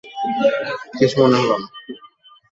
কিছুই মনে হলো না।